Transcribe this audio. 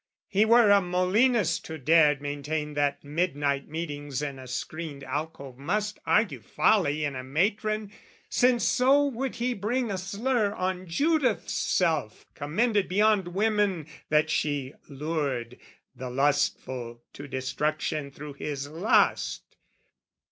He were a Molinist who dared maintain That midnight meetings in a screened alcove Must argue folly in a matron since So would he bring a slur on Judith's self, Commended beyond women that she lured The lustful to destruction through his lust.